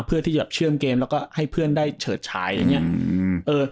เพื่อที่จะแบบเชื่อมเกมแล้วก็ให้เพื่อนได้เฉิดฉายอย่างเงี้ย